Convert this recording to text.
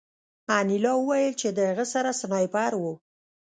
انیلا وویل چې د هغه سره سنایپر و